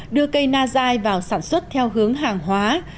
đưa cây na dài vào sản xuất theo hướng hàng hóa